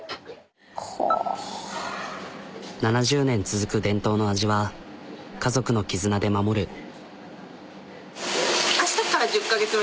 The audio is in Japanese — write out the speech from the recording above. ７０年続く伝統の味は家族の絆で守る。